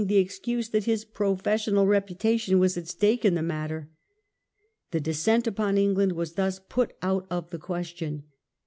the excuse that his professional reputation was aX stake in the matter. The descent upon England was thus put out of the question.